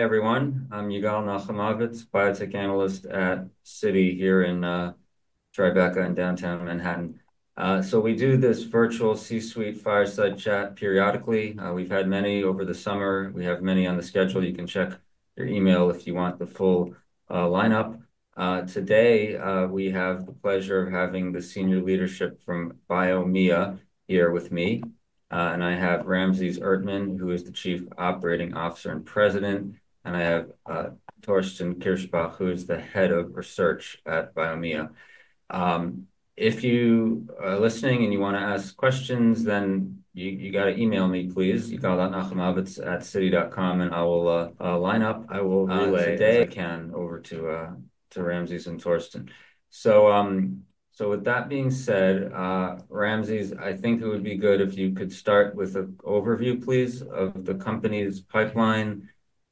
Alright. Hi, everyone. I'm Yigal Nochomovitz, biotech analyst at Citi here in Tribeca in downtown Manhattan. We do this virtual C-suite fireside chat periodically. We've had many over the summer. We have many on the schedule. You can check your email if you want the full lineup. Today, we have the pleasure of having the senior leadership from Biomea here with me. I have Ramses Erdtmann, who is the Chief Operating Officer and President, and I have Thorsten Kirschberg, who is the Head of Research at Biomea. If you are listening and you want to ask questions, then you have to email me, please. yugal.nahsamovitz@citi.com and I will line up. I will relay if I can over to Ramses and Thorsten. With that being said, Ramses, I think it would be good if you could start with an overview, please, of the company's pipeline.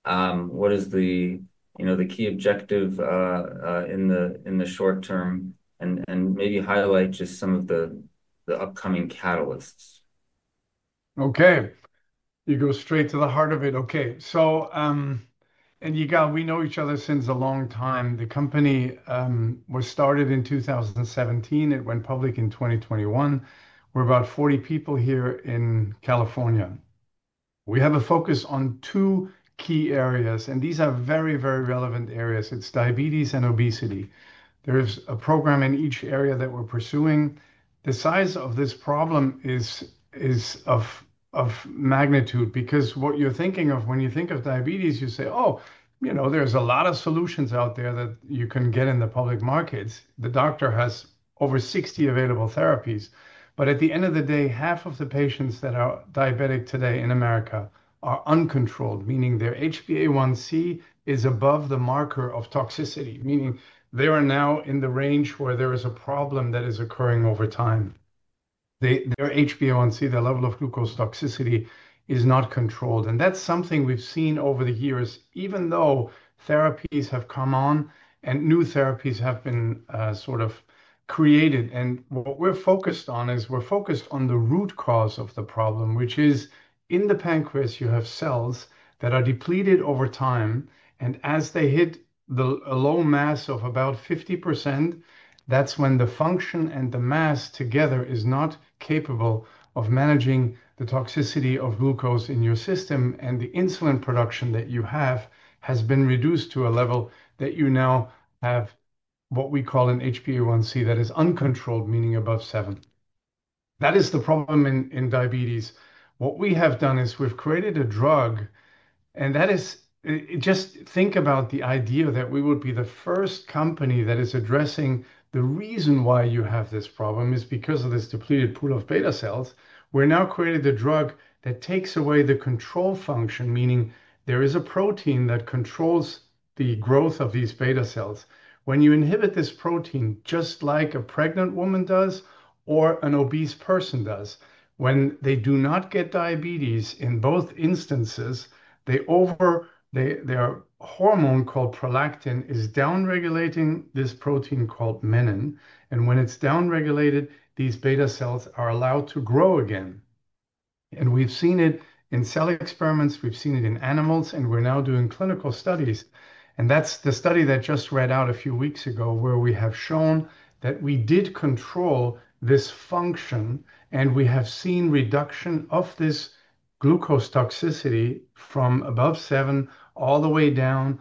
What is the, you know, the key objective in the short term? Maybe highlight just some of the upcoming catalysts. Okay. You go straight to the heart of it. Okay. So, and you go, we know each other since a long time. The company was started in 2017. It went public in 2021. We're about 40 people here in California. We have a focus on two key areas, and these are very, very relevant areas. It's diabetes and obesity. There is a program in each area that we're pursuing. The size of this problem is of magnitude because what you're thinking of when you think of diabetes, you say, oh, you know, there's a lot of solutions out there that you can get in the public markets. The doctor has over 60 available therapies, but at the end of the day, half of the patients that are diabetic today in America are uncontrolled, meaning their HbA1c is above the marker of toxicity, meaning they are now in the range where there is a problem that is occurring over time. Their HbA1c, their level of glucose toxicity, is not controlled. That's something we've seen over the years, even though therapies have come on and new therapies have been sort of created. What we're focused on is we're focused on the root cause of the problem, which is in the pancreas, you have cells that are depleted over time. As they hit a low mass of about 50%, that's when the function and the mass together are not capable of managing the toxicity of glucose in your system, and the insulin production that you have has been reduced to a level that you now have what we call an HbA1c that is uncontrolled, meaning above seven. That is the problem in diabetes. What we have done is we've created a drug, and that is, just think about the idea that we would be the first company that is addressing the reason why you have this problem is because of this depleted pool of beta cells. We've now created a drug that takes away the control function, meaning there is a protein that controls the growth of these beta cells. When you inhibit this protein, just like a pregnant woman does or an obese person does, when they do not get diabetes, in both instances, their hormone called prolactin is downregulating this protein called menin, and when it's downregulated, these beta cells are allowed to grow again. We've seen it in cell experiments, we've seen it in animals, and we're now doing clinical studies. That's the study that just read out a few weeks ago where we have shown that we did control this function, and we have seen a reduction of this glucose toxicity from above seven all the way down.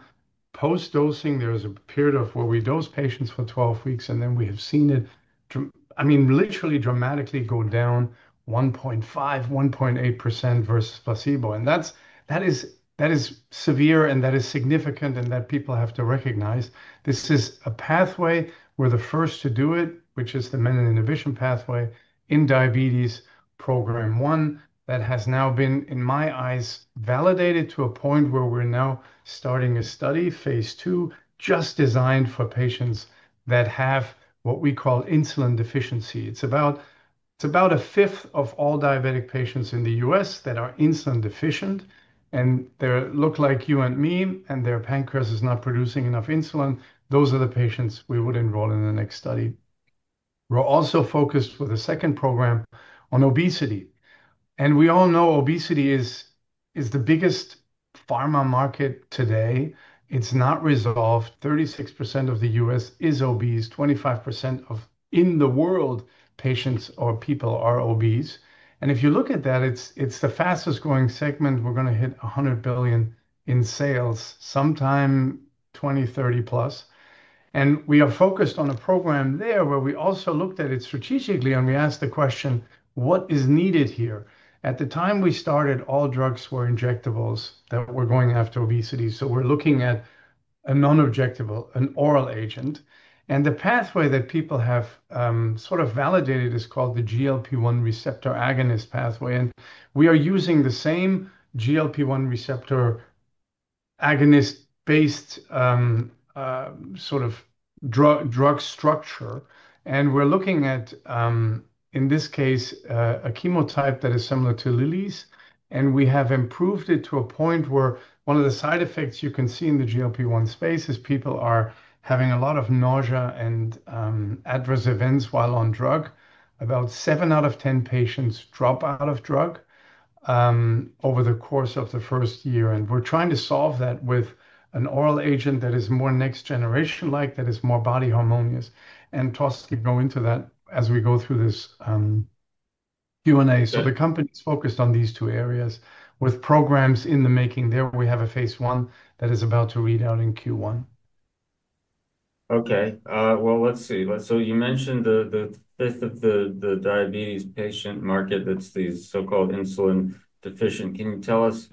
Post-dosing, there is a period where we dose patients for 12 weeks, and then we have seen it, I mean, literally dramatically go down 1.5%, 1.8% versus placebo. That is severe, and that is significant, and that people have to recognize. This is a pathway. We're the first to do it, which is the menin inhibition pathway in diabetes program one that has now been, in my eyes, validated to a point where we're now starting a study, phase II, just designed for patients that have what we call insulin deficiency. It's about a fifth of all diabetic patients in the U.S. that are insulin deficient, and they look like you and me, and their pancreas is not producing enough insulin. Those are the patients we would enroll in the next study. We're also focused with a second program on obesity. We all know obesity is the biggest pharma market today. It's not resolved. 36% of the U.S. is obese. 25% of the world, patients or people, are obese. If you look at that, it's the fastest growing segment. We're going to hit $100 billion in sales sometime 2030+. We are focused on a program there where we also looked at it strategically, and we asked the question, what is needed here? At the time we started, all drugs were injectables that were going after obesity. We're looking at a non-injectable, an oral agent. The pathway that people have sort of validated is called the GLP-1 receptor agonist pathway. We are using the same GLP-1 receptor agonist-based sort of drug structure. We're looking at, in this case, a chemotype that is similar to Lilly's, and we have improved it to a point where one of the side effects you can see in the GLP-1 space is people are having a lot of nausea and adverse events while on drug. About seven out of ten patients drop out of drug over the course of the first year. We're trying to solve that with an oral agent that is more next generation-like, that is more body harmonious. Toss, keep going to that as we go through this Q&A. The company is focused on these two areas with programs in the making there. We have a phase I that is about to read out in Q1. Okay. You mentioned the fifth of the diabetes patient market that's the so-called insulin deficient. Can you tell us,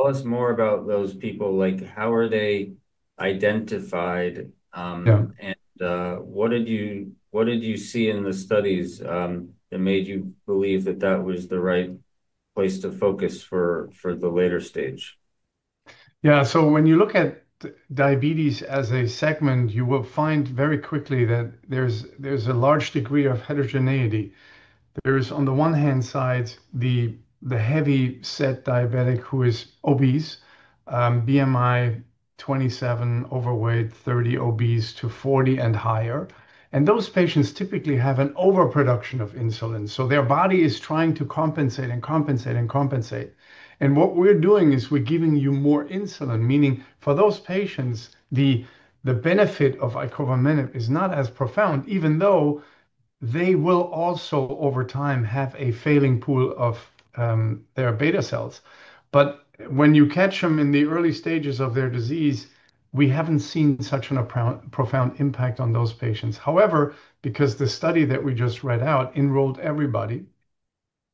tell us more about those people? How are they identified? What did you see in the studies that made you believe that that was the right place to focus for the later stage? Yeah. When you look at diabetes as a segment, you will find very quickly that there's a large degree of heterogeneity. There is, on the one hand side, the heavy set diabetic who is obese, BMI 27, overweight, 30, obese to 40 and higher. Those patients typically have an overproduction of insulin. Their body is trying to compensate and compensate and compensate. What we're doing is we're giving you more insulin, meaning for those patients, the benef`it of icovamenib is not as profound, even though they will also, over time, have a failing pool of their beta cells. When you catch them in the early stages of their disease, we haven't seen such a profound impact on those patients. However, because the study that we just read out enrolled everybody,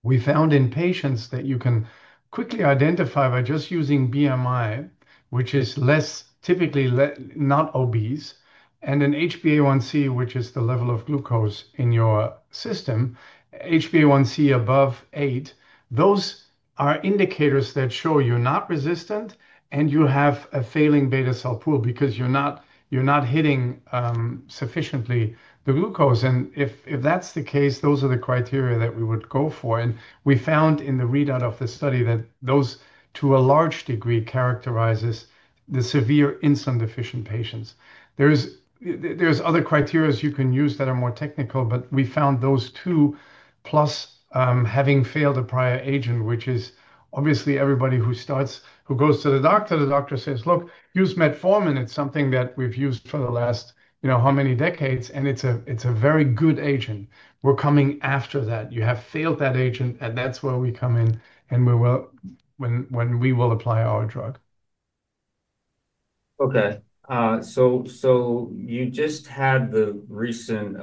we found in patients that you can quickly identify by just using BMI, which is less, typically not obese, and an HbA1c, which is the level of glucose in your system, HbA1c above 8%. Those are indicators that show you're not resistant and you have a failing beta cell pool because you're not hitting sufficiently the glucose. If that's the case, those are the criteria that we would go for. We found in the readout of the study that those, to a large degree, characterize the severe insulin deficient patients. There are other criteria you can use that are more technical, but we found those two, plus having failed a prior agent, which is obviously everybody who goes to the doctor. The doctor says, look, use metformin. It's something that we've used for the last, you know, how many decades, and it's a very good agent. We're coming after that. You have failed that agent, and that's where we come in and when we will apply our drug. Okay, you just had the recent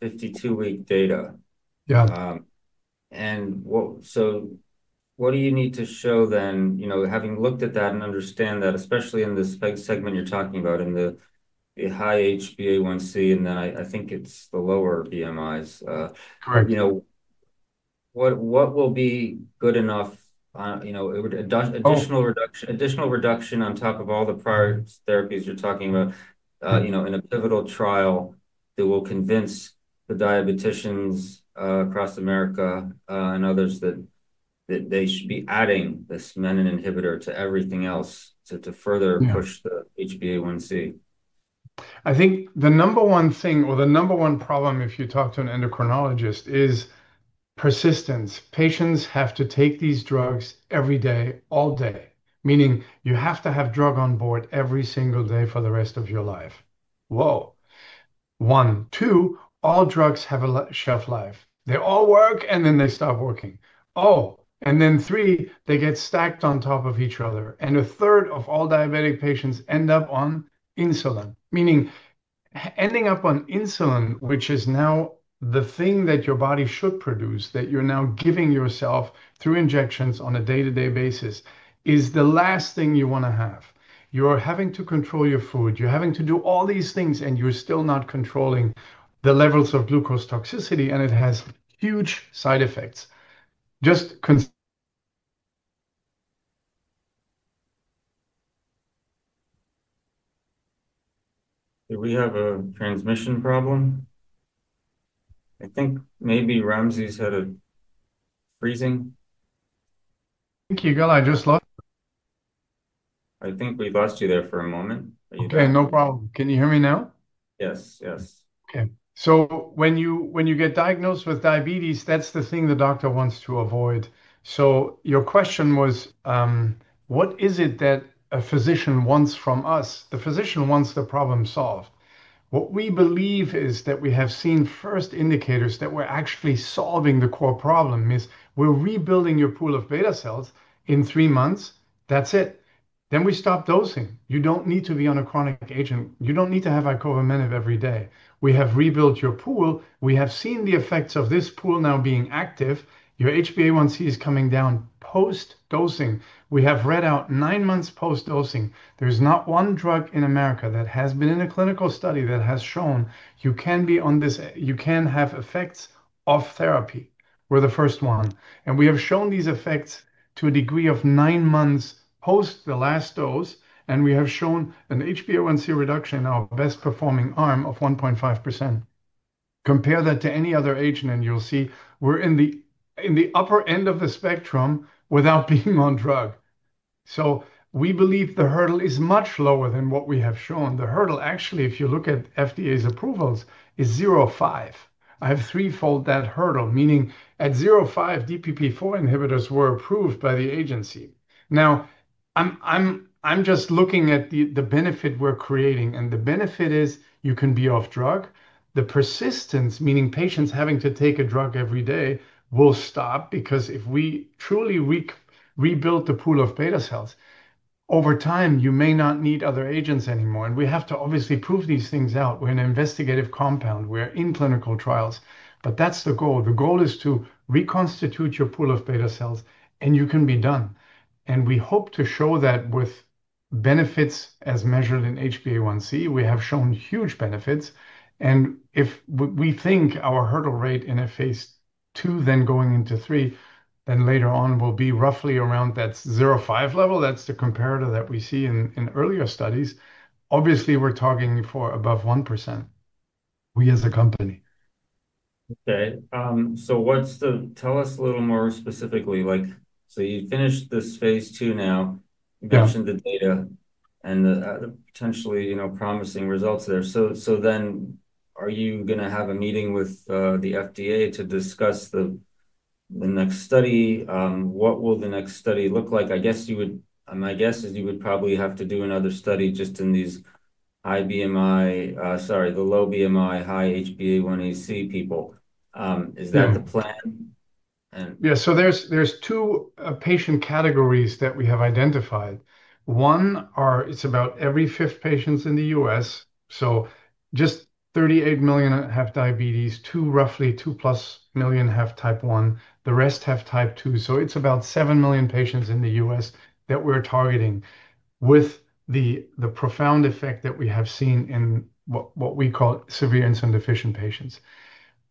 52-week data. Yeah. What do you need to show then, you know, having looked at that and understand that, especially in the SPEG segment you're talking about, in the high HbA1c, and then I think it's the lower BMIs? Correct. What will be good enough, additional reduction on top of all the prior therapies you're talking about in a pivotal trial that will convince the diabeticians across America and others that they should be adding this menin inhibitor to everything else to further push the HbA1c? I think the number one thing or the number one problem, if you talk to an endocrinologist, is persistence. Patients have to take these drugs every day, all day, meaning you have to have drug on board every single day for the rest of your life. One, two, all drugs have a shelf life. They all work and then they stop working. Then, they get stacked on top of each other. A third of all diabetic patients end up on insulin, meaning ending up on insulin, which is now the thing that your body should produce, that you're now giving yourself through injections on a day-to-day basis, is the last thing you want to have. You're having to control your food, you're having to do all these things, and you're still not controlling the levels of glucose toxicity, and it has huge side effects. Do we have a transmission problem? I think maybe Ramses had a freezing. Thank you, Yigal. I just lost you. I think we lost you there for a moment. Okay, no problem. Can you hear me now? Yes, yes. Okay. When you get diagnosed with diabetes, that's the thing the doctor wants to avoid. Your question was, what is it that a physician wants from us? The physician wants the problem solved. What we believe is that we have seen first indicators that we're actually solving the core problem, as we're rebuilding your pool of beta cells in three months. That's it. We stop dosing. You don't need to be on a chronic agent. You don't need to have icovamenib every day. We have rebuilt your pool. We have seen the effects of this pool now being active. Your HbA1c is coming down post-dosing. We have read out nine months post-dosing. There's not one drug in America that has been in a clinical study that has shown you can be on this, you can have effects off therapy. We're the first one. We have shown these effects to a degree of nine months post the last dose, and we have shown an HbA1c reduction, our best performing arm of 1.5%. Compare that to any other agent and you'll see we're in the upper end of the spectrum without being on drug. We believe the hurdle is much lower than what we have shown. The hurdle, actually, if you look at FDA's approvals, is 0.5%. I have threefold that hurdle, meaning at 0.5%, DPP-4 inhibitors were approved by the agency. Now, I'm just looking at the benefit we're creating, and the benefit is you can be off drug. The persistence, meaning patients having to take a drug every day, will stop because if we truly rebuild the pool of beta cells, over time, you may not need other agents anymore. We have to obviously prove these things out. We're an investigative compound. We're in clinical trials. That's the goal. The goal is to reconstitute your pool of beta cells, and you can be done. We hope to show that with benefits as measured in HbA1c. We have shown huge benefits. If we think our hurdle rate in a phase II, then going into III, then later on will be roughly around that 0.5% level. That's the comparator that we see in earlier studies. Obviously, we're talking for above 1%. We as a company. Okay. What's the, tell us a little more specifically. You finished this phase II now. You mentioned the data and the potentially, you know, promising results there. Are you going to have a meeting with the FDA to discuss the next study? What will the next study look like? I guess you would, my guess is you would probably have to do another study just in these high BMI, sorry, the low BMI, high HbA1c people. Is that the plan? Yeah. There are two patient categories that we have identified. One is about every fifth patient in the U.S. So just 38 million have diabetes, roughly 2+ million have type 1. The rest have type 2. It's about 7 million patients in the U.S. that we're targeting with the profound effect that we have seen in what we call severe insulin deficient patients.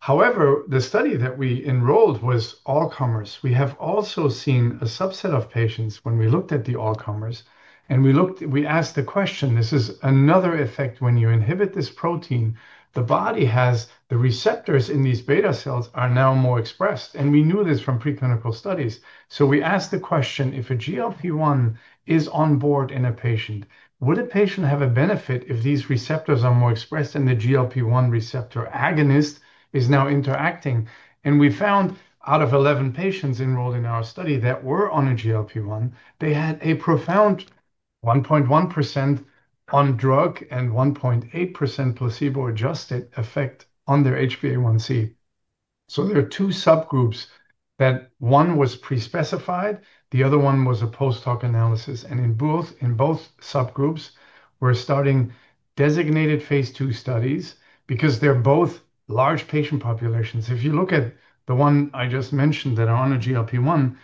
However, the study that we enrolled was all comers. We have also seen a subset of patients when we looked at the all comers, and we asked the question, this is another effect. When you inhibit this protein, the body has the receptors in these beta cells are now more expressed. We knew this from preclinical studies. We asked the question, if a GLP-1 is on board in a patient, would a patient have a benefit if these receptors are more expressed and the GLP-1 receptor agonist is now interacting? We found out of 11 patients enrolled in our study that were on a GLP-1, they had a profound 1.1% on drug and 1.8% placebo-adjusted effect on their HbA1c. There are two subgroups: one was pre-specified, the other was a post-hoc analysis. In both subgroups, we're starting designated phase II studies because they're both large patient populations. If you look at the one I just mentioned that are on a GLP-1,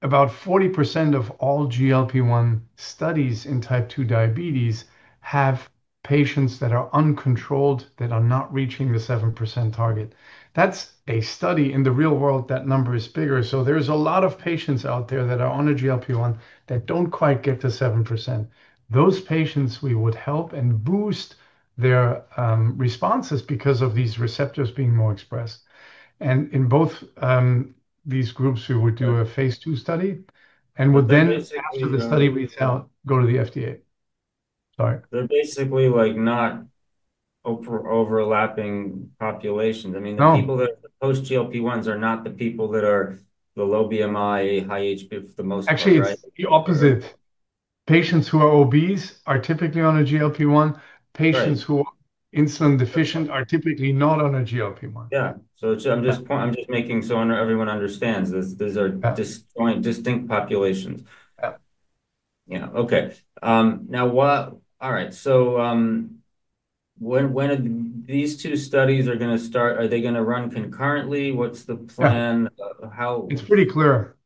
about 40% of all GLP-1 studies in type 2 diabetes have patients that are uncontrolled, that are not reaching the 7% target. That's a study. In the real world, that number is bigger. There are a lot of patients out there that are on a GLP-1 that don't quite get to 7%. Those patients, we would help and boost their responses because of these receptors being more expressed. In both these groups, we would do a phase II study and would then, after the study results, go to the FDA. Sorry. They're basically not overlapping populations. I mean, the people that are the post-GLP-1s are not the people that are the low BMI, high HbA1c. Actually, it's the opposite. Patients who are obese are typically on a GLP-1. Patients who are insulin deficient are typically not on a GLP-1. Yeah, I'm just making sure everyone understands this. These are distinct populations. Yeah. Okay. Now, what? All right. When these two studies are going to start, are they going to run concurrently? What's the plan? It's pretty clear.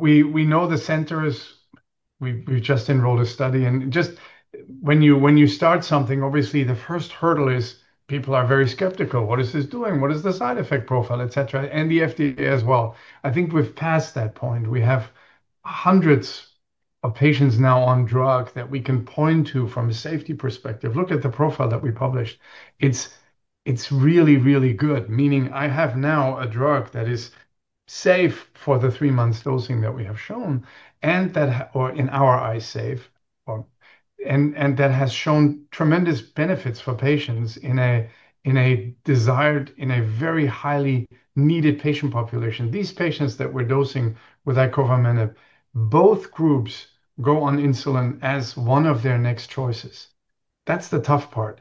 We know the centers. We've just enrolled a study. When you start something, obviously, the first hurdle is people are very skeptical. What is this doing? What is the side effect profile, et cetera, and the FDA as well? I think we've passed that point. We have hundreds of patients now on drug that we can point to from a safety perspective. Look at the profile that we published. It's really, really good, meaning I have now a drug that is safe for the three months dosing that we have shown, or in our eyes, safe, and that has shown tremendous benefits for patients in a desired, in a very highly needed patient population. These patients that we're dosing with icovamenib, both groups go on insulin as one of their next choices. That's the tough part.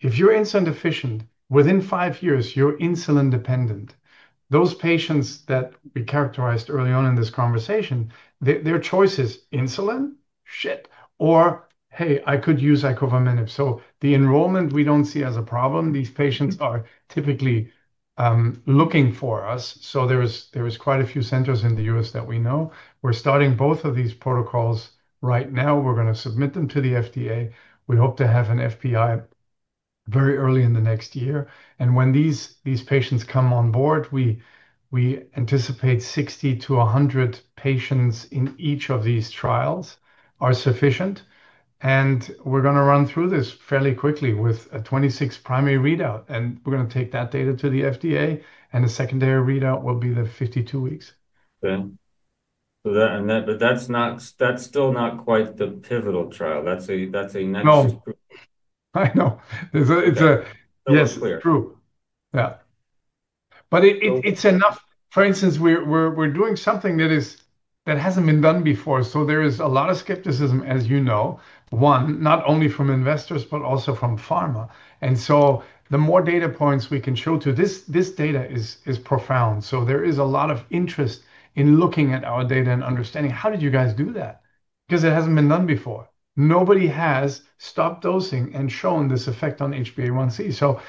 If you're insulin deficient, within five years, you're insulin dependent. Those patients that we characterized early on in this conversation, their choice is insulin, shit, or hey, I could use icovamenib. The enrollment we don't see as a problem. These patients are typically looking for us. There's quite a few centers in the U.S. that we know. We're starting both of these protocols right now. We're going to submit them to the FDA. We hope to have an IND very early in the next year. When these patients come on board, we anticipate 60 to 100 patients in each of these trials are sufficient. We're going to run through this fairly quickly with a 26-week primary readout. We're going to take that data to the FDA. A secondary readout will be the 52 weeks. That's still not quite the pivotal trial. That's a next group. I know. It's a, yes, true. Yeah. But it's enough. For instance, we're doing something that hasn't been done before. There is a lot of skepticism, as you know, one, not only from investors, but also from pharma. The more data points we can show to this data is profound. There is a lot of interest in looking at our data and understanding how did you guys do that? Because it hasn't been done before. Nobody has stopped dosing and shown this effect on HbA1c.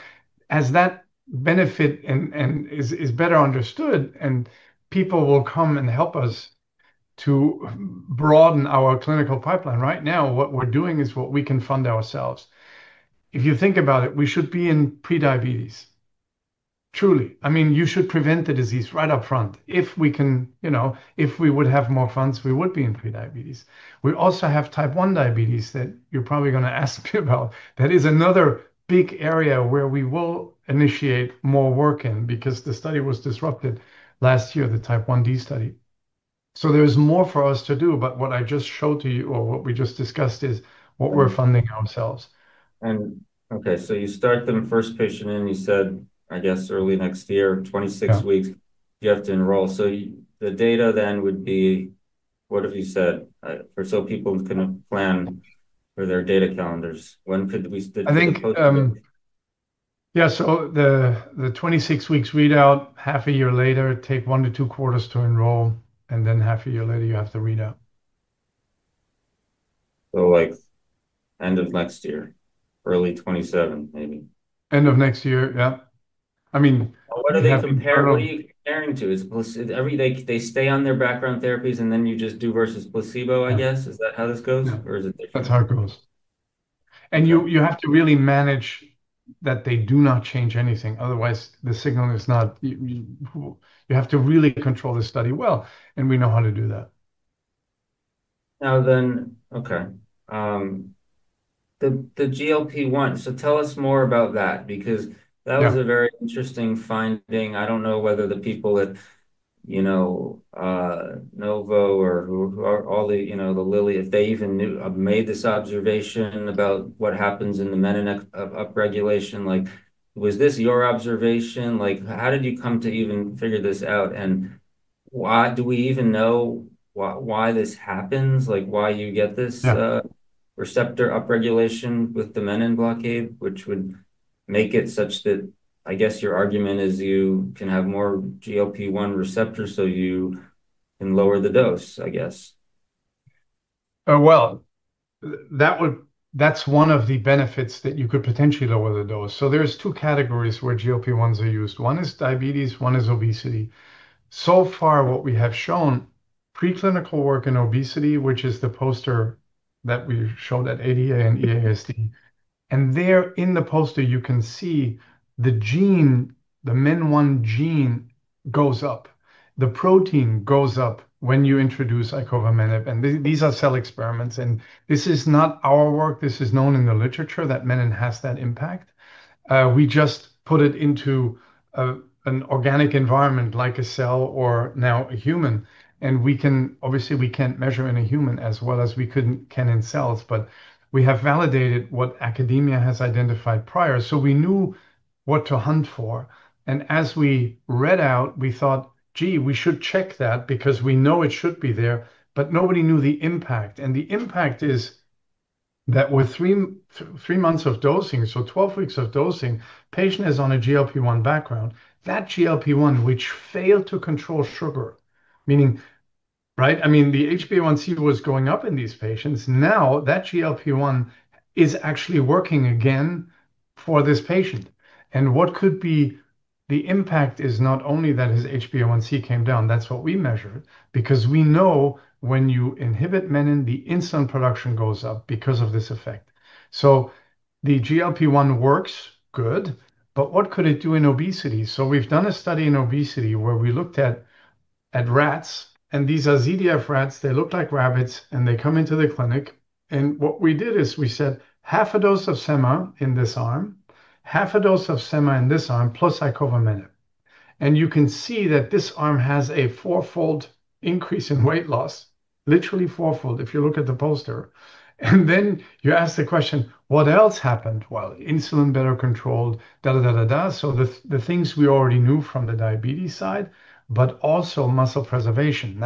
As that benefit is better understood, people will come and help us to broaden our clinical pipeline. Right now, what we're doing is what we can fund ourselves. If you think about it, we should be in pre-diabetes, truly. I mean, you should prevent the disease right up front. If we can, you know, if we would have more funds, we would be in pre-diabetes. We also have type 1 diabetes that you're probably going to ask me about. That is another big area where we will initiate more work in because the study was disrupted last year, the type 1 D study. There's more for us to do. What I just showed to you or what we just discussed is what we're funding ourselves. Okay, you start them first patient in, you said, I guess, early next year. Twenty-six weeks you have to enroll. The data then would be, what have you said? For people who can plan for their data calendars, when could we? I think, yeah, the 26 weeks readout, half a year later, take one to two quarters to enroll, and then half a year later, you have the readout. End of next year, early 2027, maybe. End of next year, yeah. I mean. What are they comparing to? Is every day they stay on their background therapies, and then you just do versus placebo, I guess? Is that how this goes? Is it different? That's how it goes. You have to really manage that they do not change anything. Otherwise, the signal is not, you have to really control the study well. We know how to do that. Now then, okay. The GLP-1, tell us more about that because that was a very interesting finding. I don't know whether the people at, you know, Novo or, you know, the Lilly, if they even knew, made this observation about what happens in the menin upregulation. Was this your observation? How did you come to even figure this out? Do we even know why this happens, why you get this receptor upregulation with the menin blockade, which would make it such that, I guess, your argument is you can have more GLP-1 receptors, so you can lower the dose, I guess. That's one of the benefits that you could potentially lower the dose. There are two categories where GLP-1s are used. One is diabetes, one is obesity. So far, what we have shown, preclinical work in obesity, which is the poster that we showed at ADA and EASD. In the poster, you can see the gene, the MEN1 gene goes up. The protein goes up when you introduce Icovamenib. These are cell experiments. This is not our work. This is known in the literature that menin has that impact. We just put it into an organic environment like a cell or now a human. Obviously, we can't measure in a human as well as we can in cells. We have validated what academia has identified prior. We knew what to hunt for. As we read out, we thought, gee, we should check that because we know it should be there. Nobody knew the impact. The impact is that with three months of dosing, so 12 weeks of dosing, the patient is on a GLP-1 background. That GLP-1, which failed to control sugar, meaning the HbA1c was going up in these patients. Now that GLP-1 is actually working again for this patient. What could be the impact is not only that his HbA1c came down. That's what we measured because we know when you inhibit menin, the insulin production goes up because of this effect. The GLP-1 works good. What could it do in obesity? We've done a study in obesity where we looked at rats. These are ZDF rats. They look like rabbits. They come into the clinic. What we did is we said half a dose of sema in this arm, half a dose of sema in this arm, plus icovamenib. You can see that this arm has a four-fold increase in weight loss, literally four-fold if you look at the poster. You ask the question, what else happened? Insulin better controlled, da, da, da, da, da. The things we already knew from the diabetes side, but also muscle preservation.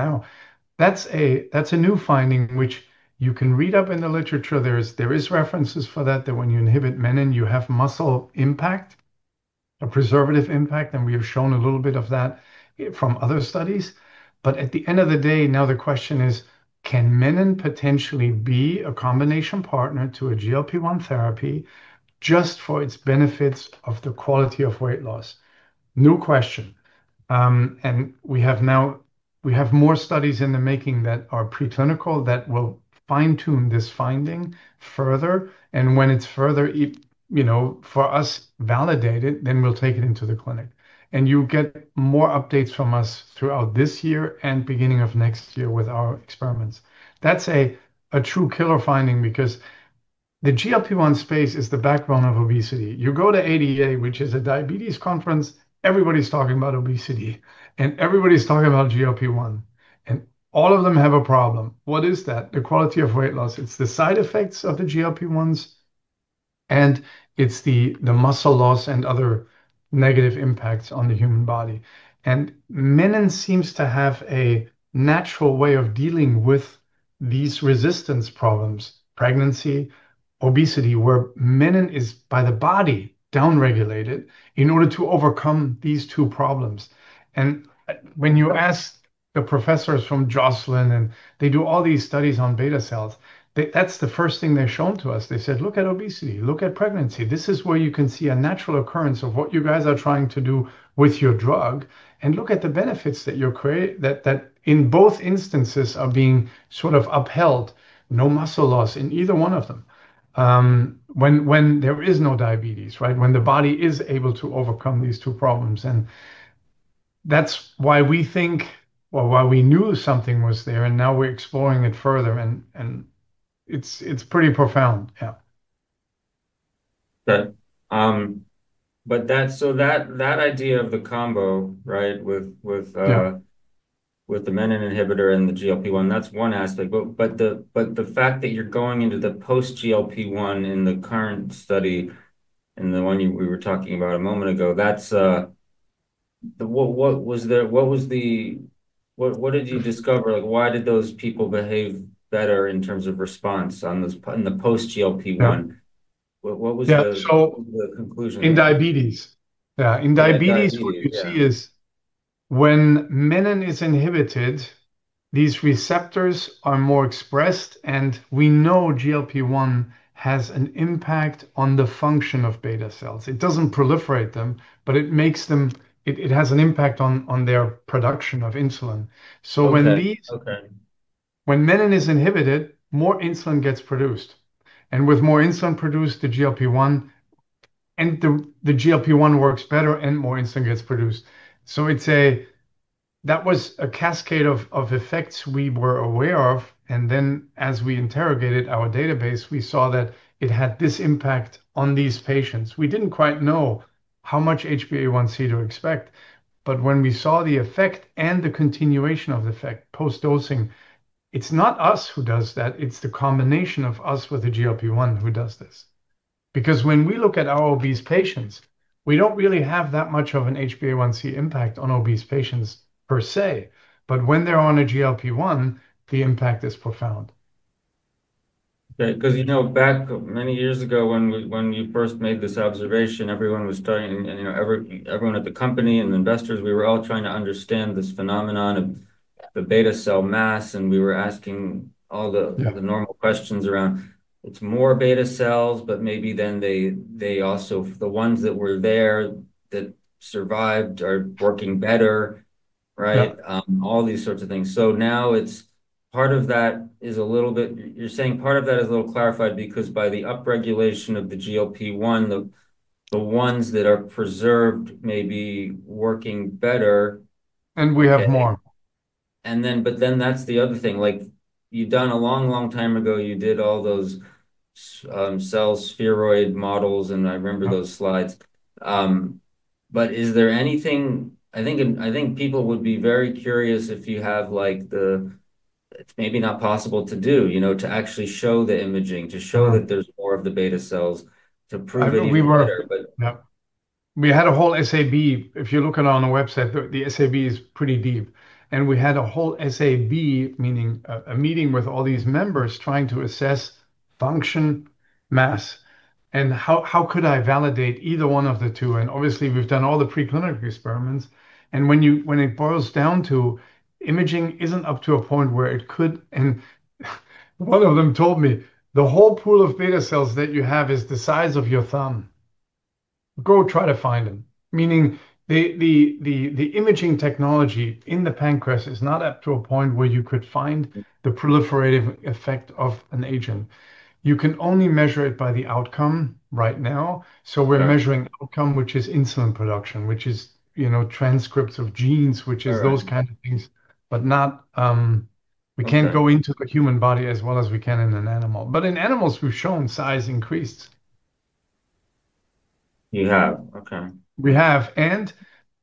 That's a new finding, which you can read up in the literature. There are references for that, that when you inhibit menin, you have muscle impact, a preservative impact. We have shown a little bit of that from other studies. At the end of the day, now the question is, can menin potentially be a combination partner to a GLP-1 therapy just for its benefits of the quality of weight loss? New question. We have more studies in the making that are preclinical that will fine-tune this finding further. When it's further, you know, for us validated, then we'll take it into the clinic. You get more updates from us throughout this year and beginning of next year with our experiments. That's a true killer finding because the GLP-1 space is the backbone of obesity. You go to ADA, which is a diabetes conference, everybody's talking about obesity. Everybody's talking about GLP-1. All of them have a problem. What is that? The quality of weight loss. It's the side effects of the GLP-1s. It's the muscle loss and other negative impacts on the human body. Menin seems to have a natural way of dealing with these resistance problems, pregnancy, obesity, where menin is by the body downregulated in order to overcome these two problems. When you ask the professors from Joslin, and they do all these studies on beta cells, that's the first thing they've shown to us. They said, look at obesity, look at pregnancy. This is where you can see a natural occurrence of what you guys are trying to do with your drug. Look at the benefits that you're creating that in both instances are being sort of upheld. No muscle loss in either one of them when there is no diabetes, right? When the body is able to overcome these two problems. That's why we think, why we knew something was there. Now we're exploring it further. It's pretty profound. Yeah. Okay. That idea of the combo, right, with the menin inhibitor and the GLP-1, that's one aspect. The fact that you're going into the post-GLP-1 in the current study, in the one we were talking about a moment ago, that's what was the, what did you discover? Why did those people behave better in terms of response in the post-GLP-1? What was the conclusion? Yeah. In diabetes, what you see is when menin is inhibited, these receptors are more expressed. We know GLP-1 has an impact on the function of beta cells. It doesn't proliferate them, but it makes them, it has an impact on their production of insulin. When menin is inhibited, more insulin gets produced. With more insulin produced, the GLP-1 works better, and more insulin gets produced. That was a cascade of effects we were aware of. As we interrogated our database, we saw that it had this impact on these patients. We didn't quite know how much HbA1c to expect. When we saw the effect and the continuation of the effect post-dosing, it's not us who does that. It's the combination of us with the GLP-1 who does this. When we look at our obese patients, we don't really have that much of an HbA1c impact on obese patients per se. When they're on a GLP-1, the impact is profound. Okay. Because you know, back many years ago, when you first made this observation, everyone was studying, you know, everyone at the company and the investors, we were all trying to understand this phenomenon of the beta cell mass. We were asking all the normal questions around, it's more beta cells, but maybe then they also, the ones that were there that survived are working better, right? All these sorts of things. Now part of that is a little bit, you're saying part of that is a little clarified because by the upregulation of the GLP-1, the ones that are preserved may be working better. We have more. You did a long, long time ago, you did all those cell spheroid models, and I remember those slides. Is there anything, I think people would be very curious if you have like the, it's maybe not possible to do, you know, to actually show the imaging, to show that there's more of the beta cells, to prove it even further. We were, but yeah, we had a whole SAB. If you look on our website, the SAB is pretty deep. We had a whole SAB, meaning a meeting with all these members trying to assess function mass. How could I validate either one of the two? Obviously, we've done all the preclinical experiments. When it boils down to it, imaging isn't up to a point where it could, and one of them told me, the whole pool of beta cells that you have is the size of your thumb. Go try to find them. Meaning the imaging technology in the pancreas is not up to a point where you could find the proliferative effect of an agent. You can only measure it by the outcome right now. We're measuring outcome, which is insulin production, which is, you know, transcripts of genes, which is those kinds of things. We can't go into the human body as well as we can in an animal. In animals, we've shown size increase. You have, okay. We have.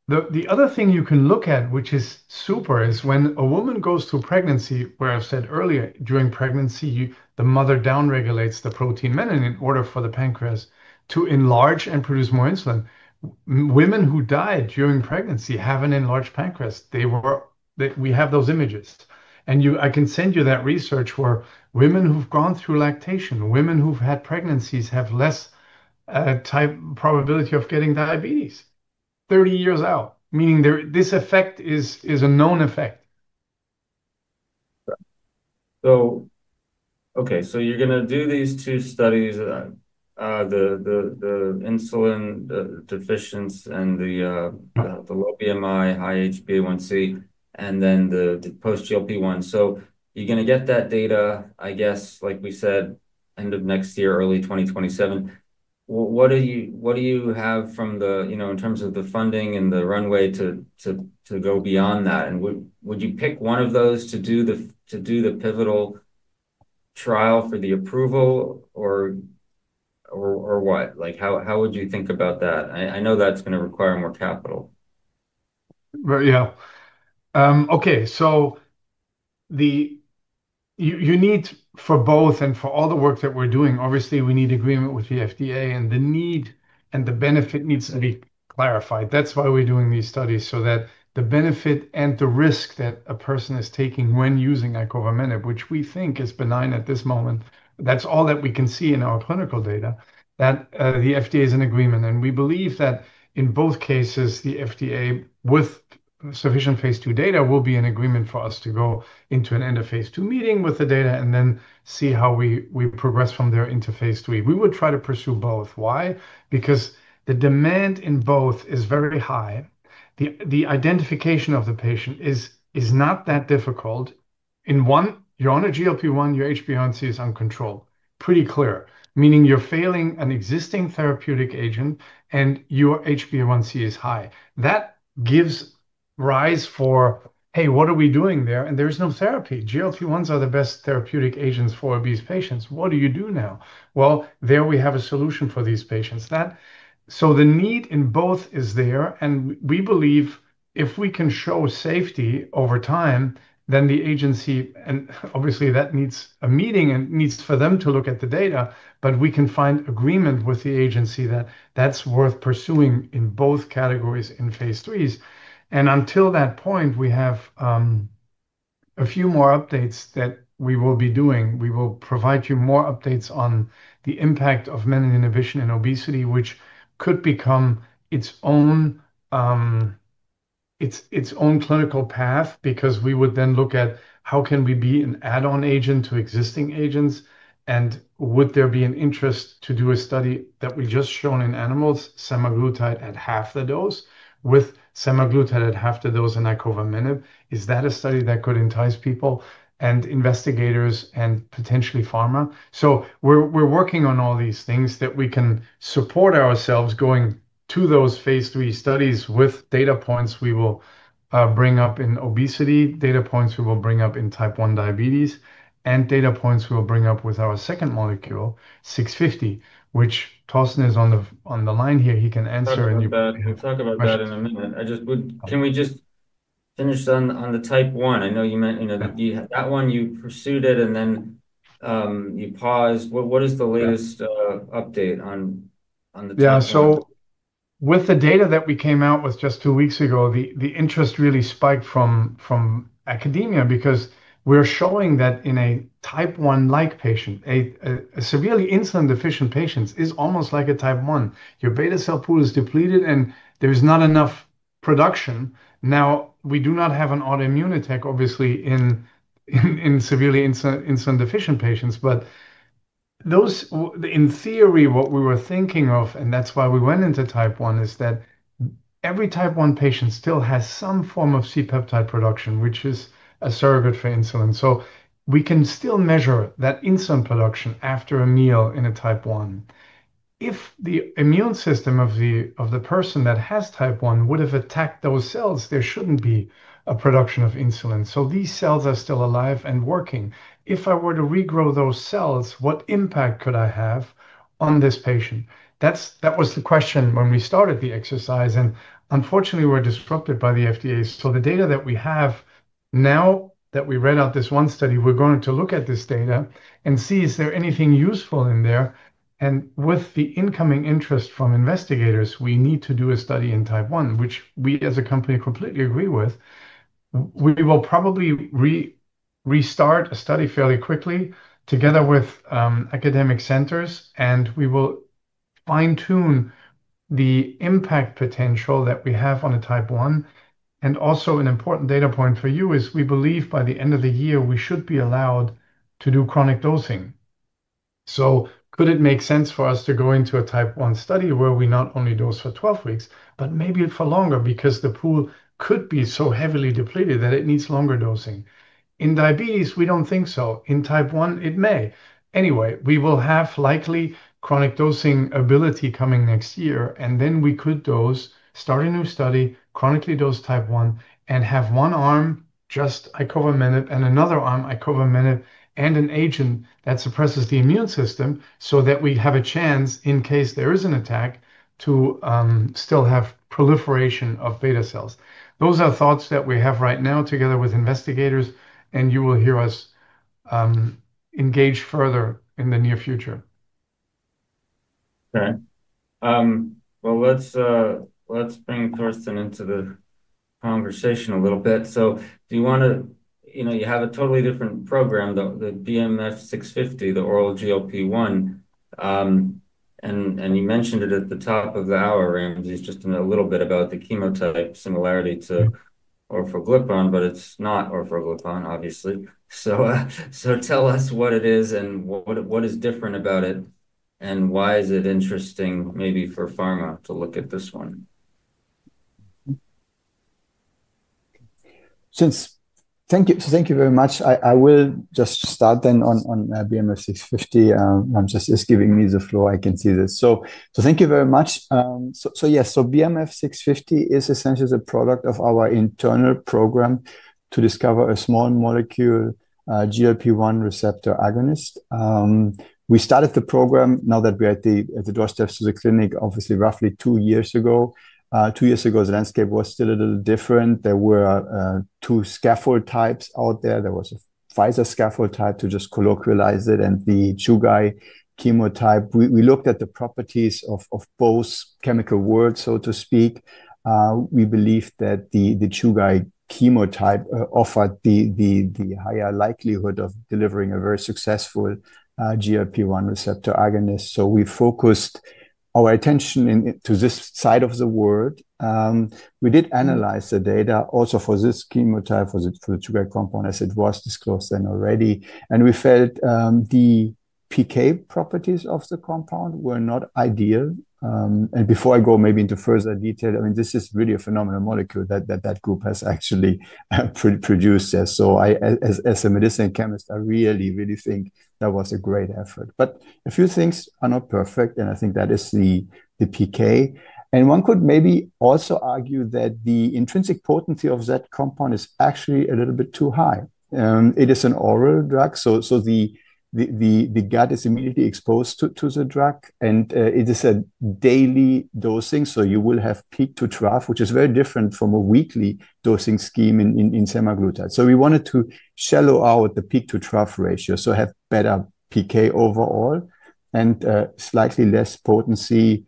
The other thing you can look at, which is super, is when a woman goes through pregnancy, where I've said earlier, during pregnancy, the mother downregulates the protein menin in order for the pancreas to enlarge and produce more insulin. Women who died during pregnancy have an enlarged pancreas. We have those images, and I can send you that research where women who've gone through lactation, women who've had pregnancies have less probability of getting diabetes 30 years out. Meaning this effect is a known effect. Okay, you're going to do these two studies, the insulin deficiency and the low BMI, high HbA1c, and then the post-GLP-1. You're going to get that data, I guess, like we said, end of next year, early 2027. What do you have from the, you know, in terms of the funding and the runway to go beyond that? Would you pick one of those to do the pivotal trial for the approval or what? How would you think about that? I know that's going to require more capital. Yeah. Okay. You need for both and for all the work that we're doing, obviously, we need agreement with the FDA, and the need and the benefit need to be clarified. That's why we're doing these studies so that the benefit and the risk that a person is taking when using icovamenib, which we think is benign at this moment, that's all that we can see in our clinical data, that the FDA is in agreement. We believe that in both cases, the FDA, with sufficient phase II data, will be in agreement for us to go into an end of phase II meeting with the data and then see how we progress from there into phase III. We would try to pursue both. Why? Because the demand in both is very high. The identification of the patient is not that difficult. In one, you're on a GLP-1, your HbA1c is uncontrolled. Pretty clear. Meaning you're failing an existing therapeutic agent and your HbA1c is high. That gives rise for, hey, what are we doing there? There is no therapy. GLP-1 agents are the best therapeutic agents for obese patients. What do you do now? There we have a solution for these patients. The need in both is there. We believe if we can show safety over time, then the agency, and obviously that needs a meeting and needs for them to look at the data, but we can find agreement with the agency that that's worth pursuing in both categories in phase IIIs. Until that point, we have a few more updates that we will be doing. We will provide you more updates on the impact of menin inhibition in obesity, which could become its own clinical path because we would then look at how can we be an add-on agent to existing agents. Would there be an interest to do a study that we just shown in animals, semaglutide at half the dose, with semaglutide at half the dose in icovamenib? Is that a study that could entice people and investigators and potentially pharma? We're working on all these things that we can support ourselves going to those phase III studies with data points we will bring up in obesity, data points we will bring up in type 1 diabetes, and data points we will bring up with our second molecule, 650, which Thorsten is on the line here. He can answer. Talk about that in a minute. Can we just finish on the type 1? I know you meant, you know, that one you pursued it and then you paused. What is the latest update on the type 1? Yeah. With the data that we came out with just two weeks ago, the interest really spiked from academia because we're showing that in a type 1-like patient, a severely insulin deficient patient is almost like a type 1. Your beta cell pool is depleted and there is not enough production. We do not have an autoimmune attack, obviously, in severely insulin deficient patients. In theory, what we were thinking of, and that's why we went into type 1, is that every type 1 patient still has some form of C-peptide production, which is a surrogate for insulin. We can still measure that insulin production after a meal in a type 1. If the immune system of the person that has type 1 would have attacked those cells, there shouldn't be a production of insulin. These cells are still alive and working. If I were to regrow those cells, what impact could I have on this patient? That was the question when we started the exercise. Unfortunately, we were disrupted by the FDA. The data that we have now that we read out this one study, we're going to look at this data and see is there anything useful in there. With the incoming interest from investigators, we need to do a study in type 1, which we as a company completely agree with. We will probably restart a study fairly quickly together with academic centers. We will fine-tune the impact potential that we have on a type 1. Also, an important data point for you is we believe by the end of the year, we should be allowed to do chronic dosing. Could it make sense for us to go into a type 1 study where we not only dose for 12 weeks, but maybe for longer because the pool could be so heavily depleted that it needs longer dosing? In diabetes, we don't think so. In type 1, it may. We will have likely chronic dosing ability coming next year. We could dose, start a new study, chronically dose type 1, and have one arm just icovamenib and another arm icovamenib and an agent that suppresses the immune system so that we have a chance in case there is an attack to still have proliferation of beta cells. Those are thoughts that we have right now together with investigators. You will hear us engage further in the near future. Okay. Let's bring Thorsten into the conversation a little bit. Do you want to, you know, you have a totally different program, the BMF-650, the oral GLP-1. You mentioned it at the top of the hour, Ramses, just in a little bit about the chemotype similarity to orforglipron, but it's not orforglipron, obviously. Tell us what it is and what is different about it and why is it interesting maybe for pharma to look at this one? Thank you. Thank you very much. I will just start then on BMF-650. Ramses is giving me the floor. I can see this. Thank you very much. Yes, BMF-650 is essentially a product of our internal program to discover a small molecule GLP-1 receptor agonist. We started the program, now that we're at the doorsteps of the clinic, obviously, roughly two years ago. Two years ago, the landscape was still a little different. There were two scaffold types out there. There was a Pfizer scaffold type, to just colloquialize it, and the Chugai chemotype. We looked at the properties of both chemical worlds, so to speak. We believe that the Chugai chemotype offered the higher likelihood of delivering a very successful GLP-1 receptor agonist. We focused our attention to this side of the world. We did analyze the data also for this chemotype, for the Chugai compound, as it was disclosed then already. We felt the PK properties of the compound were not ideal. Before I go maybe into further detail, this is really a phenomenal molecule that that group has actually produced there. As a medicinal chemist, I really, really think that was a great effort. A few things are not perfect. I think that is the PK. One could maybe also argue that the intrinsic potency of that compound is actually a little bit too high. It is an oral drug. The gut is immediately exposed to the drug. It is a daily dosing. You will have peak to trough, which is very different from a weekly dosing scheme in semaglutide. We wanted to shallow out the peak to trough ratio, have better PK overall and slightly less potency,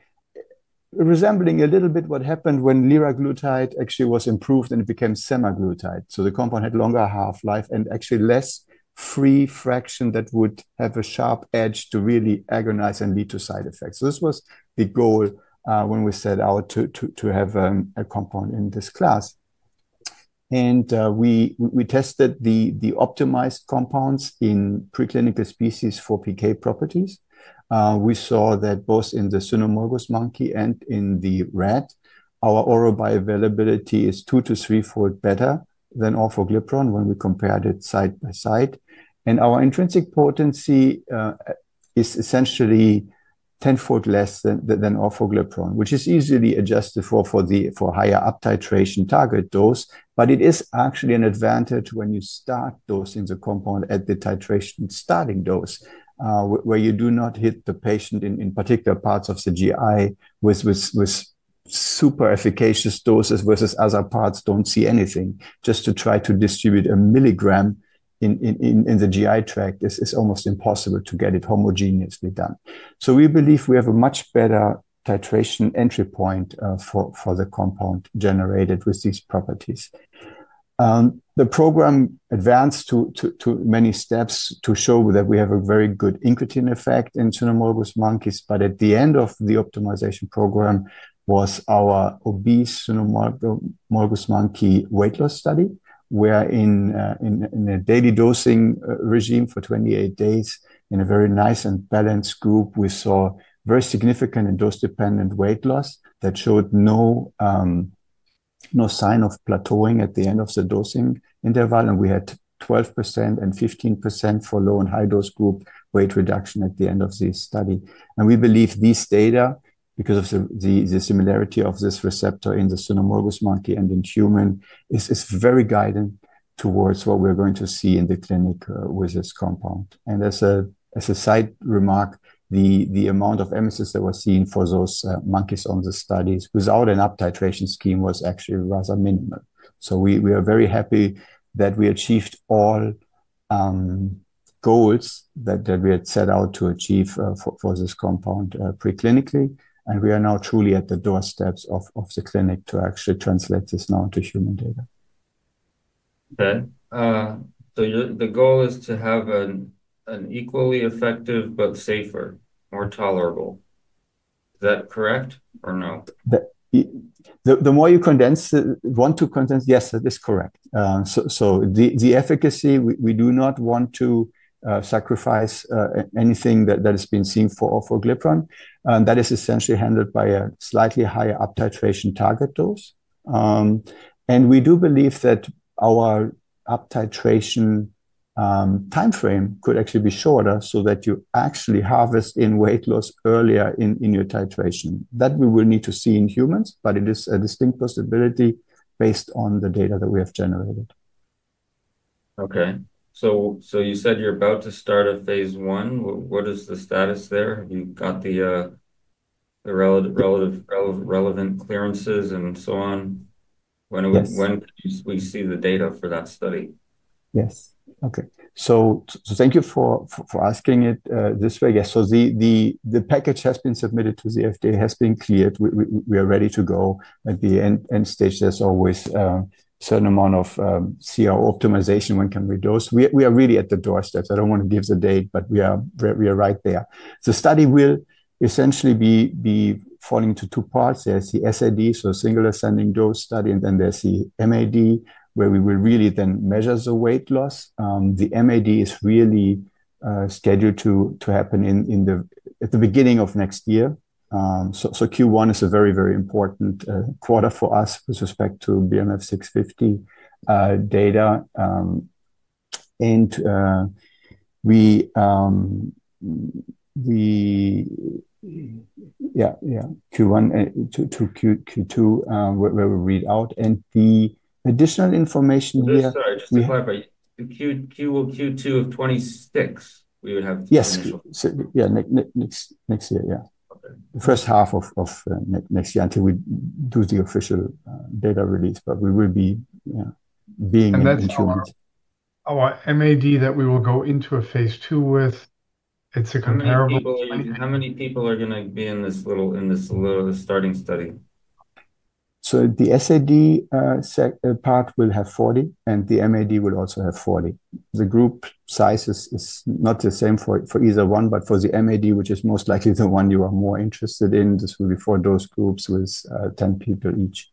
resembling a little bit what happened when liraglutide actually was improved and it became semaglutide. The compound had longer half-life and actually less free fraction that would have a sharp edge to really agonize and lead to side effects. This was the goal when we set out to have a compound in this class. We tested the optimized compounds in preclinical species for PK properties. We saw that both in the Pseudomonas monkey and in the rat, our oral bioavailability is two to three-fold better than orforglipron when we compared it side by side. Our intrinsic potency is essentially tenfold less than orforglipron, which is easily adjusted for the higher up-titration target dose. It is actually an advantage when you start dosing the compound at the titration starting dose, where you do not hit the patient in particular parts of the GI with super efficacious doses versus other parts that do not see anything. Just to try to distribute a milligram in the GI tract is almost impossible to get it homogeneously done. We believe we have a much better titration entry point for the compound generated with these properties. The program advanced to many steps to show that we have a very good incretin effect in Pseudomonas monkeys. At the end of the optimization program was our obese Pseudomonas monkey weight loss study, where in a daily dosing regime for 28 days, in a very nice and balanced group, we saw very significant and dose-dependent weight loss that showed no sign of plateauing at the end of the dosing interval. We had 12% and 15% for low and high dose group weight reduction at the end of the study. We believe this data, because of the similarity of this receptor in the Pseudomonas monkey and in human, is very guiding towards what we're going to see in the clinic with this compound. As a side remark, the amount of emesis that was seen for those monkeys on the studies without an up-titration scheme was actually rather minimal. We are very happy that we achieved all goals that we had set out to achieve for this compound preclinically. We are now truly at the doorsteps of the clinic to actually translate this now into human data. Okay, the goal is to have an equally effective but safer, more tolerable. Is that correct or no? The more you want to condense, yes, that is correct. The efficacy, we do not want to sacrifice anything that has been seen for orforglipron. That is essentially handled by a slightly higher up-titration target dose. We do believe that our up-titration timeframe could actually be shorter so that you actually harvest in weight loss earlier in your titration. That we will need to see in humans, but it is a distinct possibility based on the data that we have generated. Okay. You said you're about to start a phase I. What is the status there? Have you got the relevant clearances and so on? When do we see the data for that study? Yes. Okay. Thank you for asking it this way. Yes. The package has been submitted to the FDA, has been cleared. We are ready to go. At the end stage, there's always a certain amount of CR optimization. When can we dose? We are really at the doorsteps. I don't want to give the date, but we are right there. The study will essentially be falling into two parts. There's the SAD, so single ascending dose study, and then there's the MAD, where we will really then measure the weight loss. The MAD is really scheduled to happen at the beginning of next year. Q1 is a very, very important quarter for us with respect to BMF-650 data. Yeah, yeah, Q1 to Q2, where we read out. The additional information here. Q1 to Q2 of 2026, we would have Q2. Yes, next year, the first half of next year until we do the official data release, but we will be in Q1. Oh, MAD that we will go into a phase II with, it's a comparable. How many people are going to be in this little starting study? The SAD part will have 40, and the MAD will also have 40. The group size is not the same for either one, but for the MAD, which is most likely the one you are more interested in, this will be for those groups with 10 people each.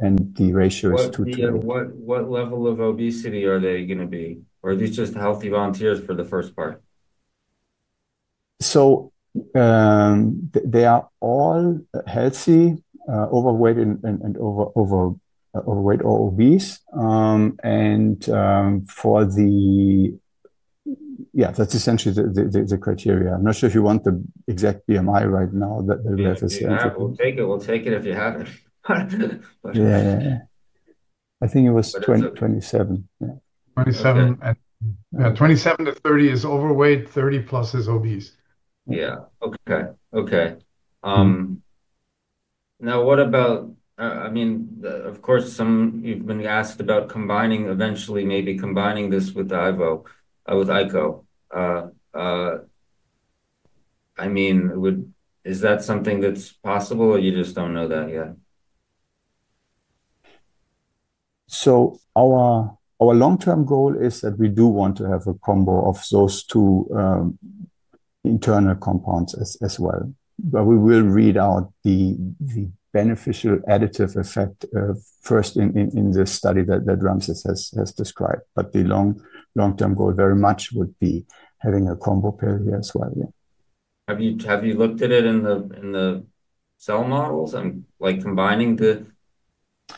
The ratio is 2 to 1. What level of obesity are they going to be? Are these just healthy volunteers for the first part? They are all healthy, overweight, and overweight or obese. For the, yeah, that's essentially the criteria. I'm not sure if you want the exact BMI right now that we have as the entity. We'll take it if you have it. I think it was 27. 27 to 30 is overweight. 30+ is obese. Okay. Now, what about, I mean, of course, you've been asked about combining, eventually, maybe combining this with ico. I mean, is that something that's possible or you just don't know that yet? Our long-term goal is that we do want to have a combo of those two internal compounds as well. We will read out the beneficial additive effect first in this study that Ramses has described. The long-term goal very much would be having a combo pair here as well. Yeah. Have you looked at it in the cell models? I'm like combining the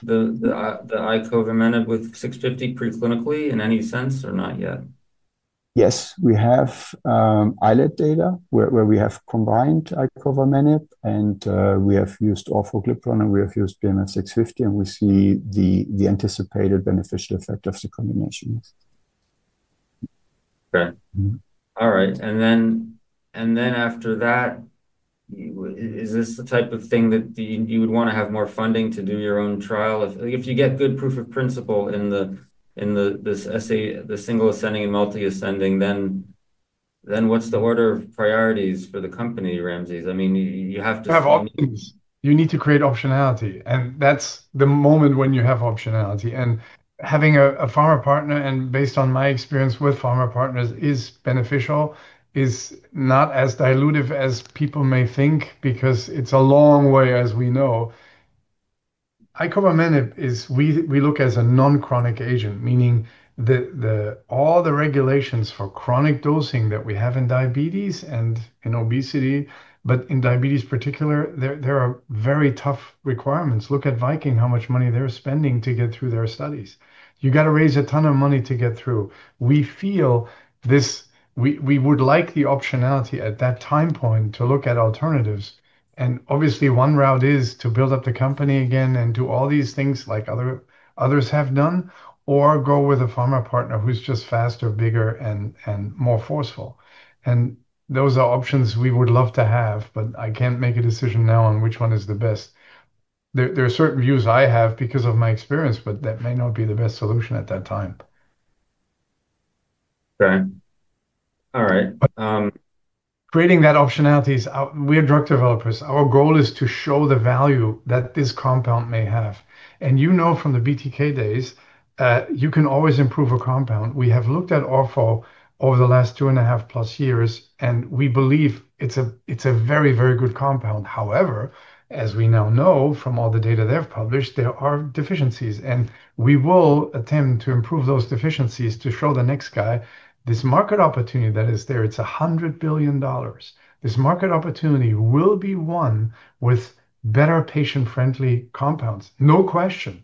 icovamenib with 650 preclinically in any sense or not yet? Yes. We have eyelid data where we have combined icovamenib and we have used orforglipron and we have used BMF-650, and we see the anticipated beneficial effect of the combinations. All right. After that, is this the type of thing that you would want to have more funding to do your own trial? If you get good proof of principle in the single ascending and multi-ascending, what's the order of priorities for the company, Ramses? I mean, you have to. You have options. You need to create optionality. That's the moment when you have optionality. Having a pharma partner, and based on my experience with pharma partners, is beneficial, is not as dilutive as people may think because it's a long way, as we know. icovamenib is we look as a non-chronic agent, meaning that all the regulations for chronic dosing that we have in diabetes and in obesity, but in diabetes in particular, there are very tough requirements. Look at Viking, how much money they're spending to get through their studies. You have to raise a ton of money to get through. We feel this, we would like the optionality at that time point to look at alternatives. Obviously, one route is to build up the company again and do all these things like others have done, or go with a pharma partner who's just faster, bigger, and more forceful. Those are options we would love to have, but I can't make a decision now on which one is the best. There are certain views I have because of my experience, but that may not be the best solution at that time. Okay, all right. Creating that optionality is we are drug developers. Our goal is to show the value that this compound may have. You know from the BTK days, you can always improve a compound. We have looked at orforglipron over the last two and a half plus years, and we believe it's a very, very good compound. However, as we now know from all the data they have published, there are deficiencies. We will attempt to improve those deficiencies to show the next guy this market opportunity that is there, it's $100 billion. This market opportunity will be won with better patient-friendly compounds, no question.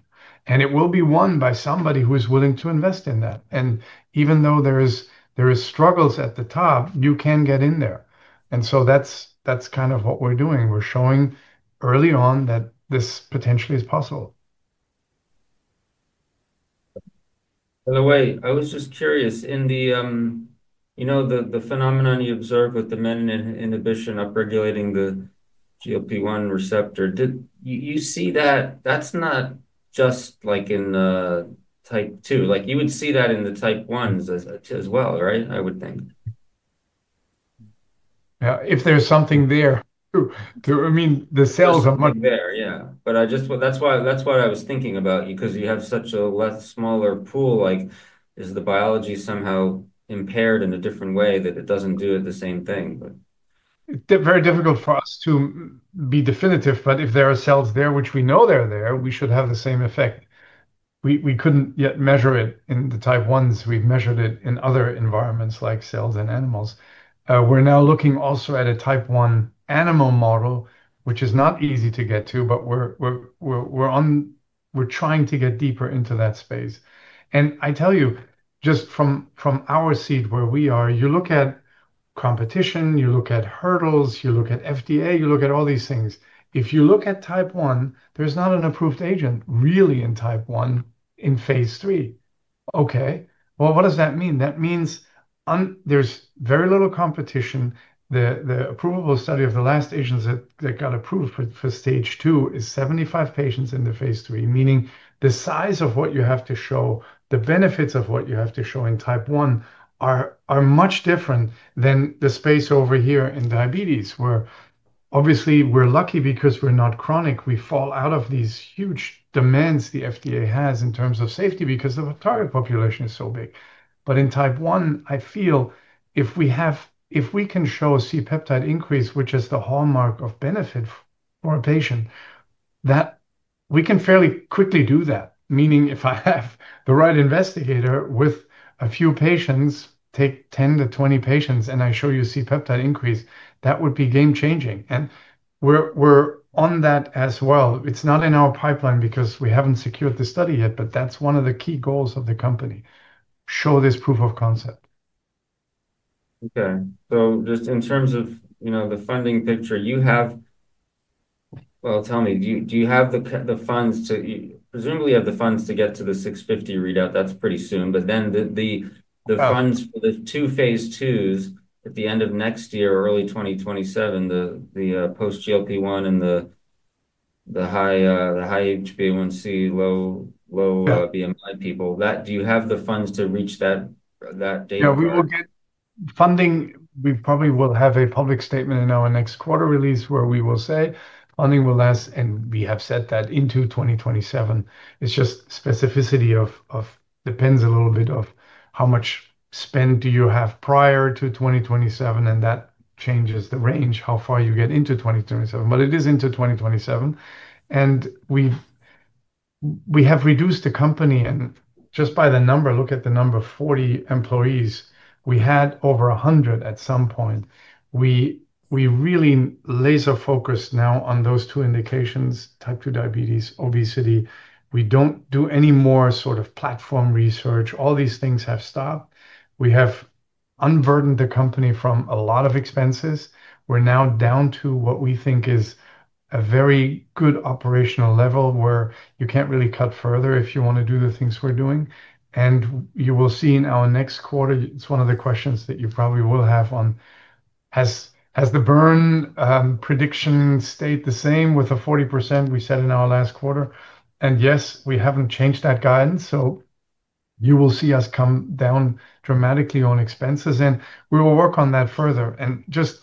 It will be won by somebody who is willing to invest in that. Even though there are struggles at the top, you can get in there. That's kind of what we're doing. We're showing early on that this potentially is possible. By the way, I was just curious, in the phenomenon you observed with the menin inhibition upregulating the GLP-1 receptor, did you see that? That's not just like in the type 2. Like you would see that in the type 1s as well, right? I would think. Yeah, if there's something there, I mean, the cells are. That's why I was thinking about you because you have such a less smaller pool. Is the biology somehow impaired in a different way that it doesn't do the same thing? It's very difficult for us to be definitive, but if there are cells there, which we know they're there, we should have the same effect. We couldn't yet measure it in the type 1s. We've measured it in other environments like cells in animals. We're now looking also at a type 1 animal model, which is not easy to get to, but we're trying to get deeper into that space. I tell you, just from our seat where we are, you look at competition, you look at hurdles, you look at the FDA, you look at all these things. If you look at type 1, there's not an approved agent really in type 1 in phase III. What does that mean? That means there's very little competition. The approval study of the last agents that got approved for stage two is 75 patients in the phase III, meaning the size of what you have to show, the benefits of what you have to show in type 1 are much different than the space over here in diabetes, where obviously we're lucky because we're not chronic. We fall out of these huge demands the FDA has in terms of safety because the target population is so big. In type 1, I feel if we have, if we can show C-peptide increase, which is the hallmark of benefit for a patient, that we can fairly quickly do that. Meaning if I have the right investigator with a few patients, take 10 patients-20 patients, and I show you C-peptide increase, that would be game-changing. We're on that as well. It's not in our pipeline because we haven't secured the study yet, but that's one of the key goals of the company. Show this proof of concept. Okay. In terms of the funding picture, do you have the funds to, presumably you have the funds to get to the 650 readout? That's pretty soon. Do you have the funds for the two phase IIs at the end of next year, early 2027, the post-GLP-1 and the high HbA1c, low BMI people? Do you have the funds to reach that date? Yeah. We will get funding. We probably will have a public statement in our next quarter release where we will say funding will last, and we have said that into 2027. It's just specificity of, depends a little bit of how much spend do you have prior to 2027, and that changes the range, how far you get into 2027. It is into 2027. We have reduced the company, and just by the number, look at the number, 40 employees. We had over 100 at some point. We really laser-focus now on those two indications, type 2 diabetes, obesity. We don't do any more sort of platform research. All these things have stopped. We have unburdened the company from a lot of expenses. We're now down to what we think is a very good operational level where you can't really cut further if you want to do the things we're doing. You will see in our next quarter, it's one of the questions that you probably will have on, has the burn prediction stayed the same with the 40% we said in our last quarter? Yes, we haven't changed that guidance. You will see us come down dramatically on expenses, and we will work on that further. Just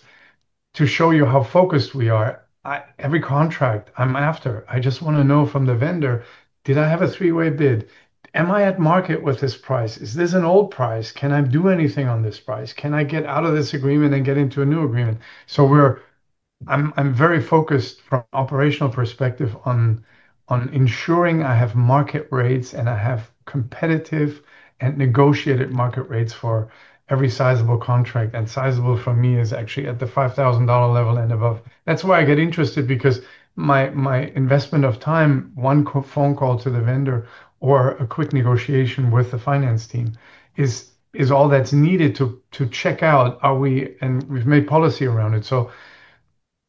to show you how focused we are, every contract I'm after, I just want to know from the vendor, did I have a three-way bid? Am I at market with this price? Is this an old price? Can I do anything on this price? Can I get out of this agreement and get into a new agreement? I'm very focused from an operational perspective on ensuring I have market rates and I have competitive and negotiated market rates for every sizable contract. Sizable for me is actually at the $5,000 level and above. That's why I get interested because my investment of time, one phone call to the vendor or a quick negotiation with the finance team is all that's needed to check out, are we, and we've made policy around it.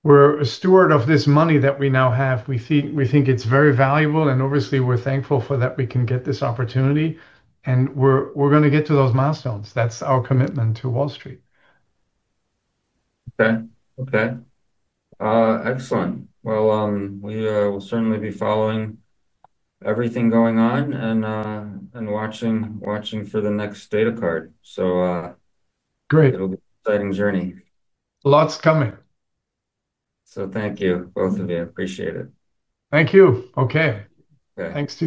We're a steward of this money that we now have. We think it's very valuable, and obviously we're thankful for that we can get this opportunity. We're going to get to those milestones. That's our commitment to Wall Street. Okay. Okay. Excellent. We will certainly be following everything going on and watching for the next data card. It'll be an exciting journey. Lots coming. Thank you, both of you. I appreciate it. Thank you. Okay, thanks.